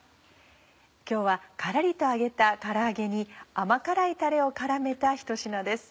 今日はカラリと揚げたから揚げに甘辛いタレを絡めたひと品です。